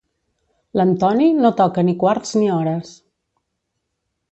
L'Antoni no toca ni quarts ni hores.